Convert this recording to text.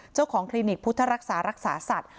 เจ้าของคลินิกพุทธรักษารักษาสัตว์